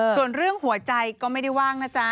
ส่วนเรื่องหัวใจก็ไม่ได้ว่างนะจ๊ะ